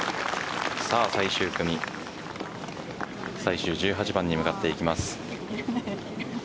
さあ最終組最終１８番に向かっていきます。